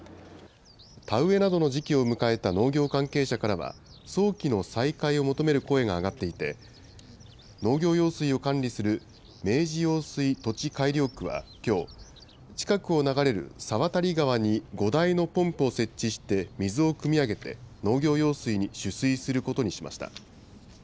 田植えなどの時期を迎えた農業関係者からは、早期の再開を求める声が上がっていて、農業用水を管理する明治用水土地改良区はきょう、近くを流れる猿渡川に５台のポンプを設置して、水をくみ上げて、農業用水に取水することにしました。